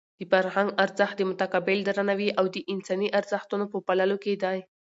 د فرهنګ ارزښت د متقابل درناوي او د انساني ارزښتونو په پاللو کې دی.